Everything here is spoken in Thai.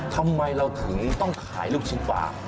ทำไมเราถึงต้องขายลูกชิ้นปลา